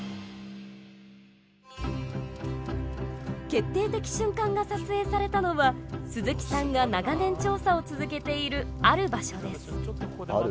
決定的瞬間が撮影されたのは鈴木さんが長年調査を続けているある場所です。